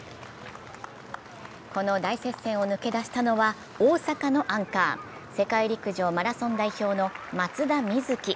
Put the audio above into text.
この大接戦を抜け出したのは大阪のアンカー、世界陸上マラソン代表の松田瑞生。